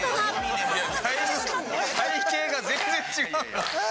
体形が全然違う。